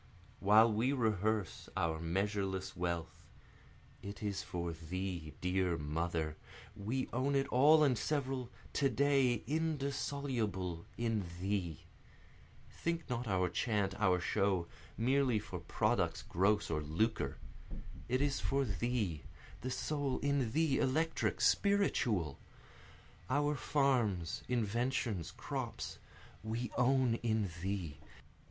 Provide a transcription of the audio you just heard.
While we rehearse our measureless wealth, it is for thee, dear Mother, We own it all and several to day indissoluble in thee; Think not our chant, our show, merely for products gross or lucre it is for thee, the soul in thee, electric, spiritual! Our farms, inventions, crops, we own in thee!